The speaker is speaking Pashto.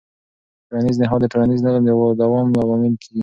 ټولنیز نهاد د ټولنیز نظم د دوام لامل کېږي.